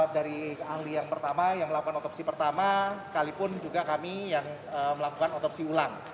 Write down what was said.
dari ahli yang pertama yang melakukan otopsi pertama sekalipun juga kami yang melakukan otopsi ulang